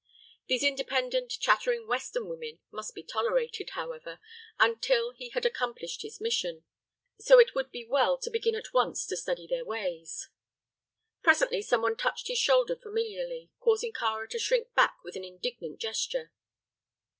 These independent, chattering Western women must be tolerated, however, until he had accomplished his mission; so it would be well to begin at once to study their ways. Presently someone touched his shoulder familiarly, causing Kāra to shrink back with an indignant gesture.